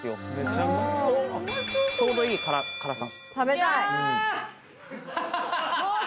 ちょうどいい辛さ。